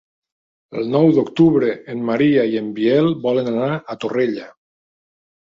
El nou d'octubre en Maria i en Biel volen anar a Torrella.